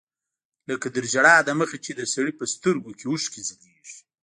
لکه تر ژړا د مخه چې د سړي په سترګو کښې اوښکې ځلېږي.